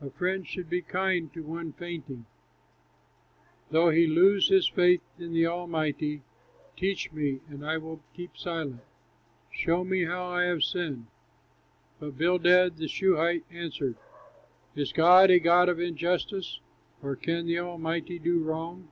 A friend should be kind to one fainting, Though he lose his faith in the Almighty. Teach me, and I will keep silent. Show me how I have sinned." Then Bildad, the Shuhite, answered: "Is God a God of injustice? Or can the Almighty do wrong?